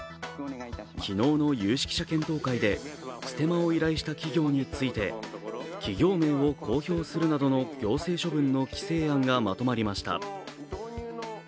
昨日の有識者検討会でステマを依頼した企業について企業名を公表するなどの行政処分の規制案がまとまりました。